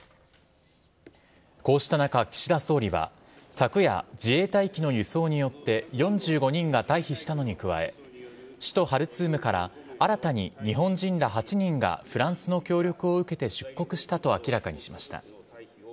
こうした中、岸田総理は、昨夜、自衛隊機の輸送によって４５人が退避したのに加え、首都ハルツームから新たに日本人ら８人がフランスの協力を受けて出国したと明らかにしました。